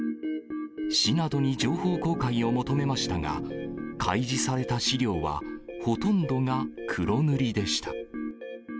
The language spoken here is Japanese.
市などに情報公開を求めましたが、開示された資料はほとんどが黒塗りでした。